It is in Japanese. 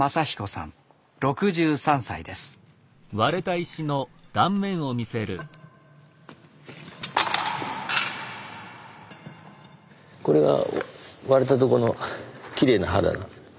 石工のこれが割れたとこのきれいな肌。